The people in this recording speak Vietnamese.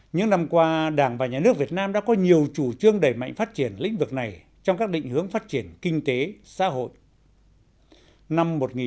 những năm qua đảng và nhà nước việt nam đã có nhiều chủ trương đẩy mạnh phát triển lĩnh vực này trong các định hướng phát triển kinh tế xã hội